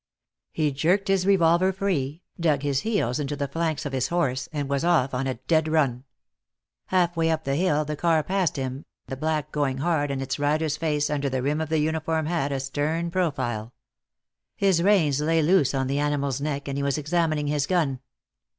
He jerked his revolver free, dug his heels into the flanks of his horse, and was off on a dead run. Half way up the hill the car passed him, the black going hard, and its rider's face, under the rim of his uniform hat, a stern profile. His reins lay loose on the animal's neck, and he was examining his gun.